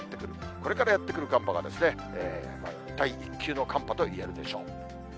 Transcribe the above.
これからやって来る寒波は第一級の寒波といえるでしょう。